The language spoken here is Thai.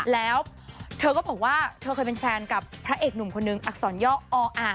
แล้วเธอก็บอกว่าเธอเคยเป็นแฟนกับพระเอกหนุ่มคนนึงอักษรย่ออ่า